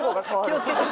気をつけて。